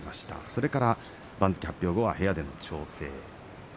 それから、番付発表後は部屋での調整。